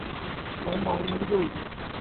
同盟一路